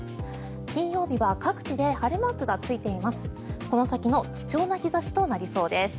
金曜日は各地で晴れマークがついています。